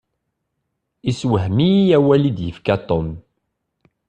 Iswahem-iyi awal i d-yefka Tom.